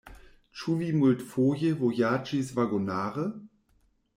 Ĉu vi multfoje vojaĝis vagonare?